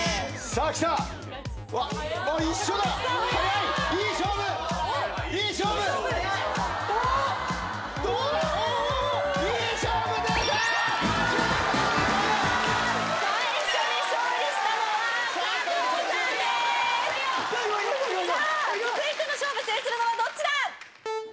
続いての勝負制するのはどっちだ